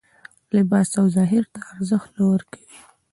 لباس او ظاهر ته ارزښت نه ورکوي